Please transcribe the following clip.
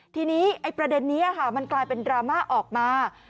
ทีนี้ประเด็นนี้มันกลายเป็นดราม่าออกมา